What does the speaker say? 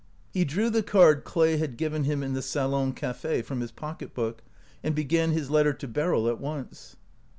He drew the card Clay had given him in the salon cafe from his pocketbook, and began his letter to Beryl at once.